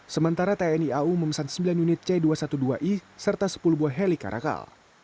sementara tni au memesan sembilan unit c dua ratus dua belas i serta sepuluh buah heli karakal